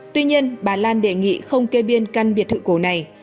tuy nhiên bà lan đề nghị không kê biên căn biệt thự cổ này